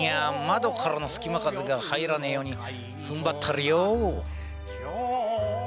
窓からの隙間風が入らねえようにふんばったりよう。